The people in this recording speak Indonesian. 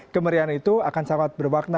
kemeriahan itu akan sangat berwarna